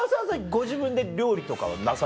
ご自分で料理とかはなさるんですか？